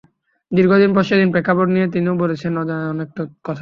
দীর্ঘদিন পর সেদিনের প্রেক্ষাপট নিয়ে তিনিও বলেছেন অজানা অনেক কথা।